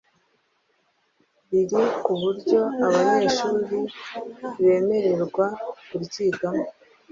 riri ku buryo abanyeshuri bemererwa kuryigamo.